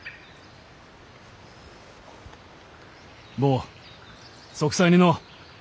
坊息災にのう。